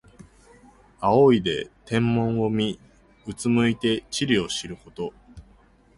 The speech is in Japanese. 仰いで天文を見、うつむいて地理を知ること。